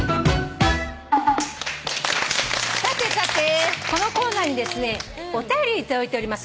さてさてこのコーナーにですねお便り頂いております。